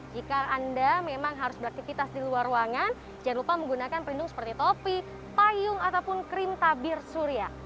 jika anda memang harus beraktivitas di luar ruangan jangan lupa menggunakan perlindung seperti topi payung ataupun krim tabir surya